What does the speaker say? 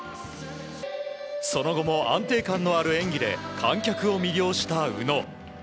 その後も安定感のある演技で観客を魅了した宇野。